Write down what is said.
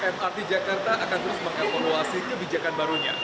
m r t jakarta akan terus mengakomolasi kebijakan barunya